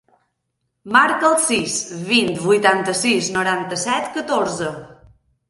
Marca el sis, vint, vuitanta-sis, noranta-set, catorze.